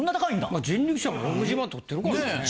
まあ人力舎も６０万とってるからね。